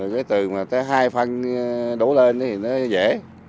rồi từ hai phân đổ lên thì nó dễ